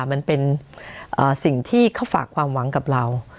มันเป็นสิ่งที่เขาฝากความหวังกับเรา